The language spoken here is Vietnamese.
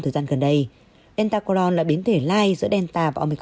bộ y tế cho biết